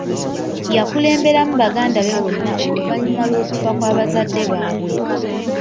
Yakulemberamu baganda be bonna oluvannyuma lw'okufa kwa bazadde baabwe.